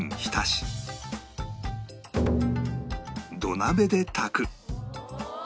土鍋で炊く